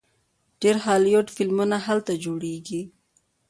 ډیر هالیوډ فلمونه هلته جوړیږي.